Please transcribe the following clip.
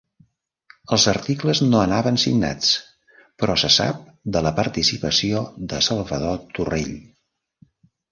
Els articles no anaven signats, però se sap de la participació de Salvador Torrell.